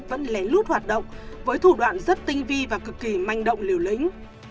vẫn lén lút hoạt động với thủ đoạn rất tinh vi và cực kỳ manh động liều lĩnh